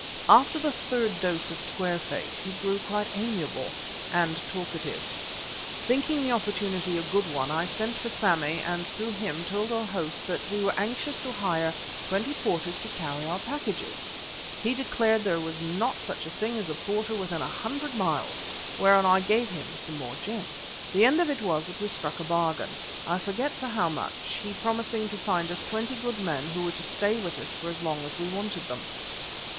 After the third dose of square face he grew quite amiable and talkative. Thinking the opportunity a good one, I sent for Sammy, and through him told our host that we were anxious to hire twenty porters to carry our packages. He declared that there was not such a thing as a porter within a hundred miles, whereon I gave him some more gin. The end of it was that we struck a bargain, I forget for how much, he promising to find us twenty good men who were to stay with us for as long as we wanted them.